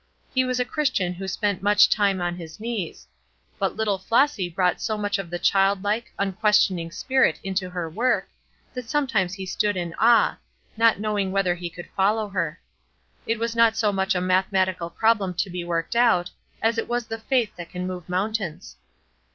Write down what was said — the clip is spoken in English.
He was a Christian who spent much time on his knees; but little Flossy brought so much of the childlike, unquestioning spirit into her work, that sometimes he stood in awe, not knowing whether he could follow her. It was not so much a mathematical problem to be worked out, as it was the faith that can remove mountains.